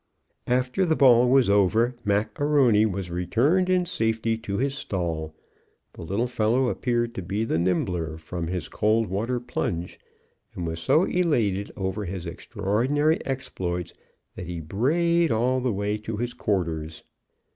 After the ball was over, Mac A'Rony was returned in safety to his stall. The little fellow appeared to be the nimbler from his cold water plunge, and was so elated over his extraordinary exploits that he brayed all the way to his quarters."